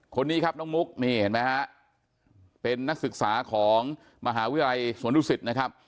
คนนี้ครับน้องมุกนี่เห็นไหมฮะเป็นนักศึกษาของมหาวิทยาลัยสวนดุสิตนะครับ